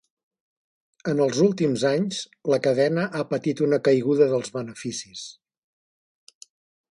En els últims anys, la cadena ha patit una caiguda dels beneficis.